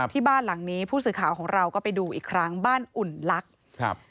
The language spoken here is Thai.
ที่บ้านหลังนี้ผู้สื่อข่าวของเราก็ไปดูอีกครั้งบ้านอุ่นลักษณ์ครับ